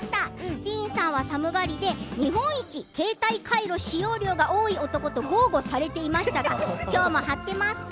ディーンさんは寒がりで日本一携帯カイロ使用量が多い男と豪語されていましたがきょうも貼っていますか？